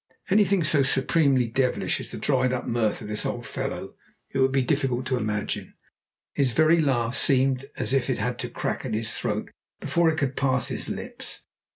Anything so supremely devilish as the dried up mirth of this old fellow it would be difficult to imagine. His very laugh seemed as if it had to crack in his throat before it could pass his lips.